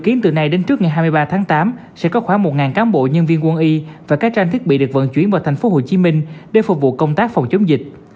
dự kiến từ nay đến trước ngày hai mươi ba tháng tám sẽ có khoảng một cán bộ nhân viên quân y và các trang thiết bị được vận chuyển vào thành phố hồ chí minh để phục vụ công tác phòng chống dịch